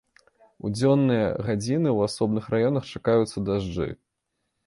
У дзённыя гадзіны ў асобных раёнах чакаюцца дажджы.